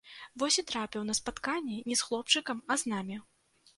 Вось і трапіў на спатканне не з хлопчыкам, а з намі.